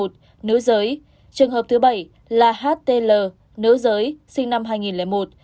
trường hợp thứ bảy là htl nữ giới sinh năm hai nghìn một